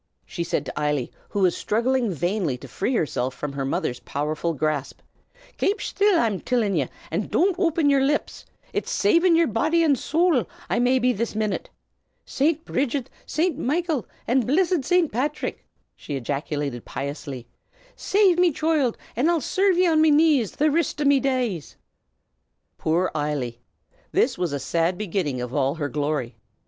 she said to Eily, who was struggling vainly to free herself from her mother's powerful grasp. "Kape shtill, I'm tillin' ye, an' don't open yer lips! It's savin' yer body an' sowl I may be this minute. Saint Bridget, Saint Michael, an' blissid Saint Patrick!" she ejaculated piously, "save me choild, an' I'll serve ye on me knees the rist o' me days." Poor Eily! This was a sad beginning of all her glory.